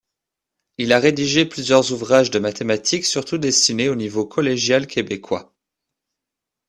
Il a rédigé plusieurs ouvrages de mathématiques surtout destinés au niveau collégial québécois.